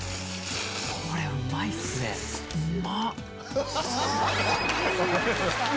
これうまいっすねうまっ！